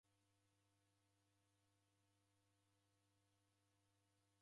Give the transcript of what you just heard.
Mlungu waw'irasimie na w'ana bana.